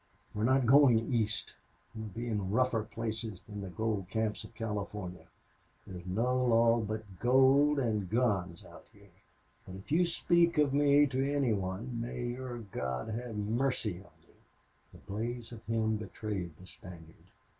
"We're not going East. We'll be in rougher places than the gold camps of California. There's no law but gold and guns out here... But if you speak of me to any one may your God have mercy on you!" The blaze of him betrayed the Spaniard.